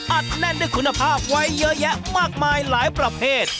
อัดแน่นด้วยคุณภาพไว้เยอะแยะมากมายหลายประเภท